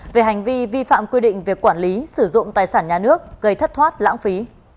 về hành vi vi phạm quy định về quản lý sử dụng tài sản nhà nước gây thất thoát lãng phí